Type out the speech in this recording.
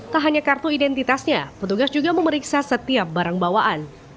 tak hanya kartu identitasnya petugas juga memeriksa setiap barang bawaan